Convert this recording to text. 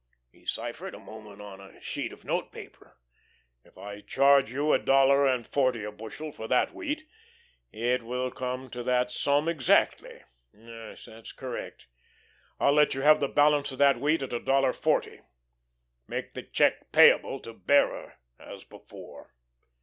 He ciphered a moment on a sheet of note paper. "If I charge you a dollar and forty a bushel for that wheat, it will come to that sum exactly.... Yes, that's correct. I'll let you have the balance of that wheat at a dollar forty. Make the check payable to bearer as before."